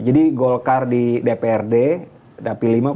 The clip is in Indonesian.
jadi golkar di dprd dapi lima khususnya